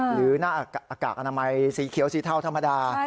หน้ากากอนามัยสีเขียวสีเทาธรรมดา